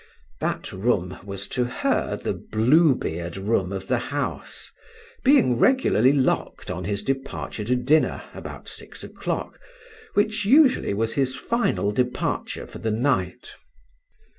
that room was to her the Bluebeard room of the house, being regularly locked on his departure to dinner, about six o'clock, which usually was his final departure for the night.